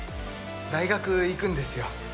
大学行くんですよ。